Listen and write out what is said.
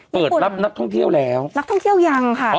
เปิดรับนักท่องเที่ยวแล้วนักท่องเที่ยวยังค่ะ